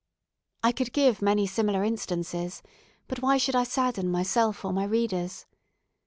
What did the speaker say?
I could give many other similar instances, but why should I sadden myself or my readers?